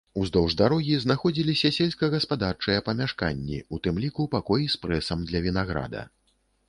Уздоўж дарогі знаходзіліся сельскагаспадарчыя памяшканні, у тым ліку пакой з прэсам для вінаграда.